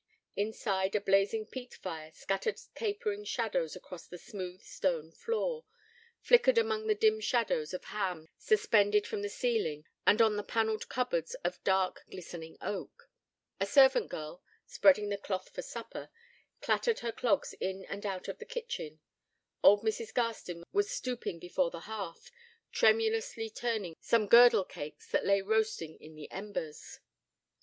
Inside, a blazing peat fire scattered capering shadows across the smooth, stone floor, flickered among the dim rows of hams suspended from the ceiling and on the panelled cupboards of dark, glistening oak. A servant girl, spreading the cloth for supper, clattered her clogs in and out of the kitchen: old Mrs. Garstin was stooping before the hearth, tremulously turning some girdle cakes that lay roasting in the embers.